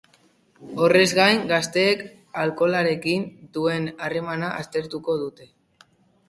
Horrez gain, gazteek alkoholarekin duten harremana aztertuko dute.